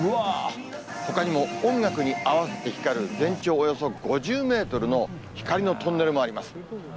ほかにも音楽に合わせて光る、全長およそ５０メートルの光のトンネルもあります。